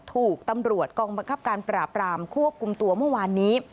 ถูกตำรวจกองบังคับการปราบรามควบคุมตัวเมื่อวานนี้